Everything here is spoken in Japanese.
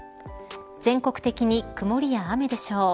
全国的に曇りや雨でしょう。